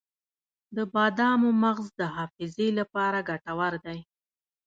د بادامو مغز د حافظې لپاره ګټور دی.